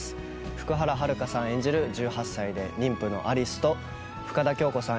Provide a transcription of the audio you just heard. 福原遥さん演じる１８歳で妊婦の有栖と深田恭子さん